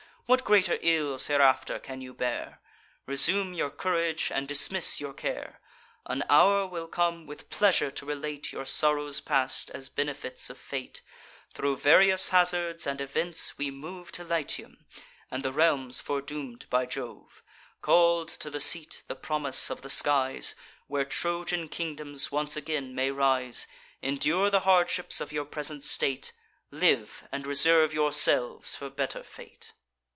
What greater ills hereafter can you bear? Resume your courage and dismiss your care, An hour will come, with pleasure to relate Your sorrows past, as benefits of Fate. Thro' various hazards and events, we move To Latium and the realms foredoom'd by Jove. Call'd to the seat (the promise of the skies) Where Trojan kingdoms once again may rise, Endure the hardships of your present state; Live, and reserve yourselves for better fate."